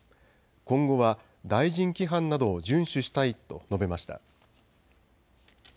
今後は大臣規範などを順守したいと述べました。